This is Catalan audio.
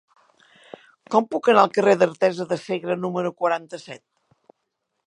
Com puc anar al carrer d'Artesa de Segre número quaranta-set?